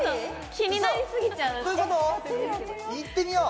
気になりすぎちゃういってみよう！